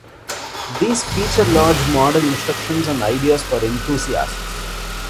These feature large model instructions and ideas for enthusiasts.